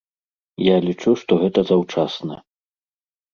Я лічу, што гэта заўчасна.